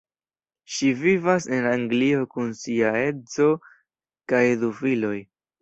Ŝi vivas en Anglio kun sia edzo kaj du filoj.